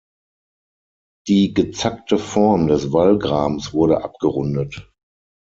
Die gezackte Form des Wallgrabens wurde abgerundet.